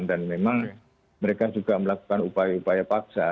dan memang mereka juga melakukan upaya upaya paksa